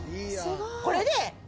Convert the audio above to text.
これで。